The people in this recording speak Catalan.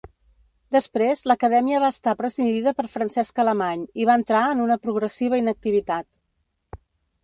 Després, l'Acadèmia va estar presidida per Francesc Alemany i va entrar en una progressiva inactivitat.